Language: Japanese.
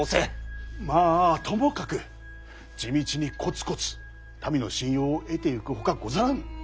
まあともかく地道にコツコツ民の信用を得ていくほかござらぬ。